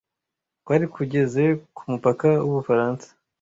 kwari kugeze ku mupaka w’u Bufaransa